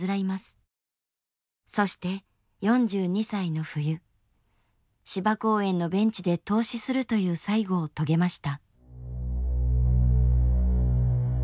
そして４２歳の冬芝公園のベンチで凍死するという最期を遂げました。